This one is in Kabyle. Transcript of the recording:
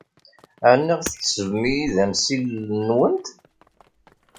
Ɛni tḥesbem-iyi d amsillel-nwent?